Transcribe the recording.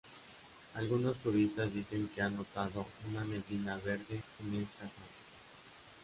Algunos turistas dicen que han notado una neblina verde en esta sala.